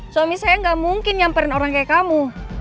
suami saya gak mungkin nyamperin orang kayak kamu